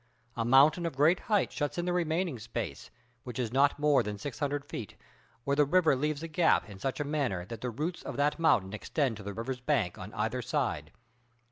A mountain of great height shuts in the remaining space, which is not more than six hundred feet, where the river leaves a gap in such a manner that the roots of that mountain extend to the river's bank on either side.